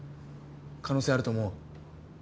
可能性あると思う？